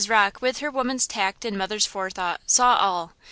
Rocke, with her woman's tact and mother's forethought, saw all!